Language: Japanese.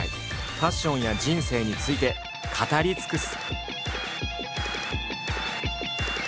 ファッションや人生について語り尽くす。